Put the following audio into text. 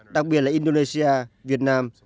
đặc biệt là indonesia việt nam